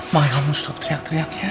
makanya kamu stop teriak teriak ya